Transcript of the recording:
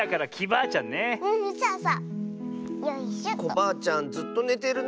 コバアちゃんずっとねてるね。